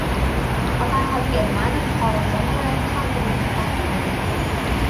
Farhod Ermanov Xorazm viloyati hokimi etib tasdiqlandi